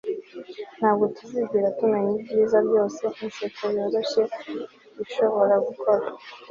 ntabwo tuzigera tumenya ibyiza byose inseko yoroshye ishobora gukora